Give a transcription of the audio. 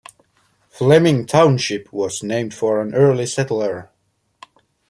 Fleming Township was named for an early settler.